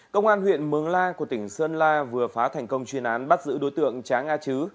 công an huyện mường la của tỉnh sơn la vừa phá thành công chuyên án bắt giữ đối tượng trá nga chứ